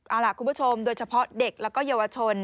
เอาล่ะคุณผู้ชมโดยเฉพาะเด็กแล้วก็เยาวชน